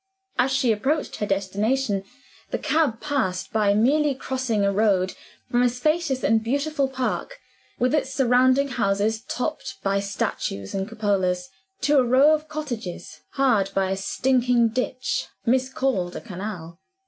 As she approached her destination, the cab passed by merely crossing a road from a spacious and beautiful Park, with its surrounding houses topped by statues and cupolas, to a row of cottages, hard by a stinking ditch miscalled a canal.